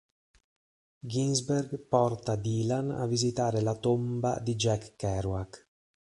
Ginsberg porta Dylan a visitare la tomba di Jack Kerouac.